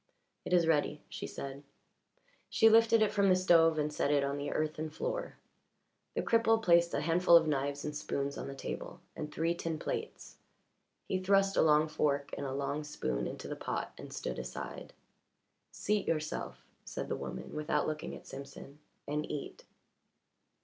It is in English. "It is ready," she said. She lifted it from the stove and set it on the earthen floor. The cripple placed a handful of knives and spoons on the table and three tin plates; he thrust a long fork and a long spoon into the pot and stood aside. "Seat yourself," said the woman, without looking at Simpson, "and eat."